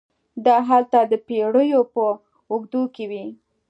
دا هلته د پېړیو په اوږدو کې وې.